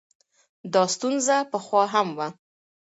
دا ستونزه پخوا هم وه.